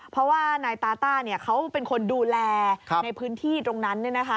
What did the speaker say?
เพราะว่านายตาต้าเนี่ยเขาเป็นคนดูแลในพื้นที่ตรงนั้นเนี่ยนะคะ